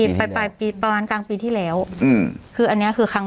ไปปลายปีประมาณกลางปีที่แล้วอืมคืออันเนี้ยคือครั้ง